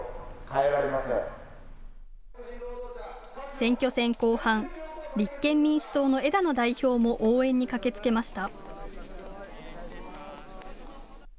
選挙戦後半、立憲民主党の枝野代表も応援に駆けつけました。